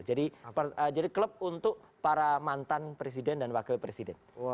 jadi club untuk para mantan presiden dan wakil presiden